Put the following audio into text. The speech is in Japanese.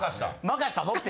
任したん？